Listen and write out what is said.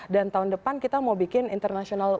dan tahun depan kita mau bikin international